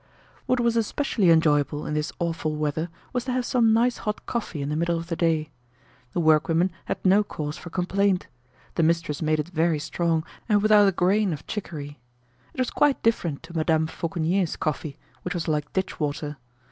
What was especially enjoyable in this awful weather was to have some nice hot coffee in the middle of the day. The workwomen had no cause for complaint. The mistress made it very strong and without a grain of chicory. It was quite different to Madame Fauconnier's coffee, which was like ditch water.